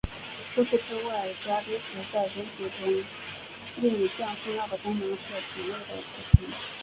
除此之外钾离子在人体之中另一项重要的功能是糖类的储存。